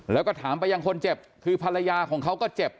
แล้วก็ถามไปยังคนเจ็บคือภรรยาของเขาก็เจ็บ